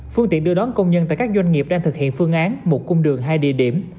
phương tiện đưa đón công nhân tại các doanh nghiệp đang thực hiện phương án một cung đường hai địa điểm